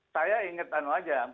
saya ingat anu aja